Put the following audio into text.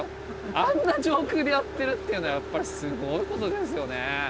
あんな上空でやってるっていうのはやっぱりすごいことですよね。